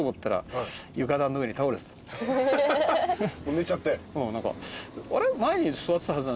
寝ちゃって？